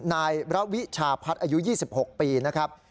นายระวิชาพัฒน์อายุ๒๖ปีนะครับ